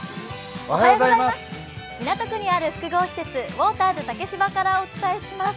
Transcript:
港区にある複合施設、ウォーターズ竹芝からお伝えします。